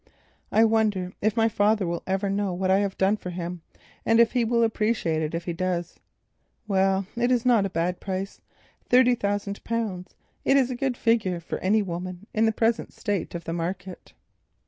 I wonder if my father will ever know what I have done for him, and if he will appreciate it when he does. Well, it is not a bad price—thirty thousand pounds—a good figure for any woman in the present state of the market."